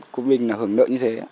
của mình là hưởng nợ như thế